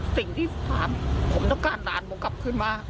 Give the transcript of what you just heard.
สิ่งที่ผมต้องการหลานผมกลับขึ้นมา